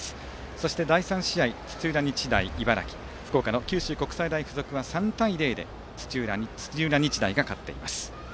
そして第３試合、土浦日大・茨城福岡の九州国際大付属は３対０で土浦日大が勝っています。